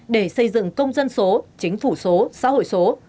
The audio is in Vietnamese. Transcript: để xây dựng công dân số chính phủ số xã hội số